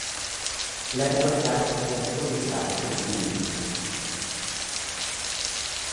และลดการรบกวนผู้โดยสารคนอื่น